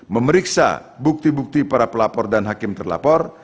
memeriksa bukti bukti para pelapor dan hakim terlapor